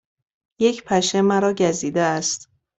یک پشه مرا گزیده است.